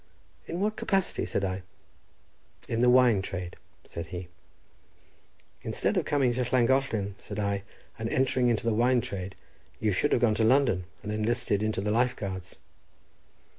"In what capacity?" said I. "In the wine trade," said he. "Instead of coming to Llangollen," said I, "and entering into the wine trade, you should have gone to London, and enlisted into the life guards."